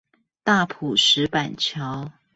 大埔石板橋